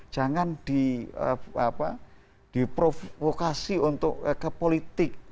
jangan diprovokasi ke politik